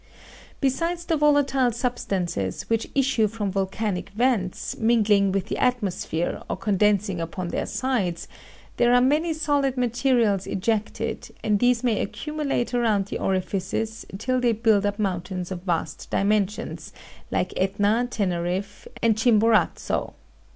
Besides the volatile substances which issue from volcanic vents, mingling with the atmosphere or condensing upon their sides, there are many solid materials ejected, and these may accumulate around the orifice's till they build up mountains of vast dimensions, like Etna, Teneriffe, and Chimborazo.